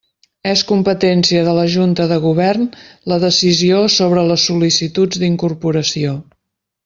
És competència de la Junta de Govern la decisió sobre les sol·licituds d'incorporació.